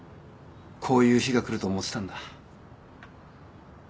こういう日が来ると思ってたんだ。